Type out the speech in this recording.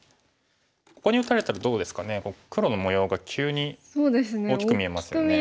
ここに打たれたらどうですかね黒の模様が急に大きく見えますよね。